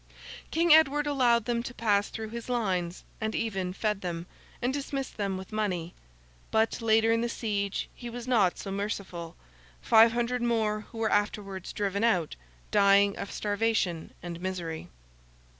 King Edward allowed them to pass through his lines, and even fed them, and dismissed them with money; but, later in the siege, he was not so merciful—five hundred more, who were afterwards driven out, dying of starvation and misery.